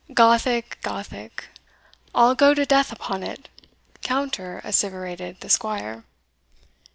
"Gothic! Gothic! I'll go to death upon it!" counter asseverated the squire.